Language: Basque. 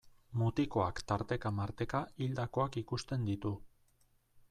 Mutikoak tarteka-marteka hildakoak ikusten ditu.